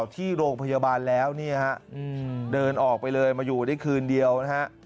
ที่โรงพยาบาลแล้วนี่ฮะเดินออกไปเลยมาอยู่ได้คืนเดียวนะฮะ